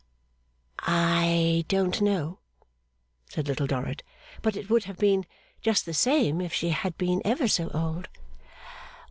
'I don't know,' said Little Dorrit. 'But it would have been just the same if she had been ever so old.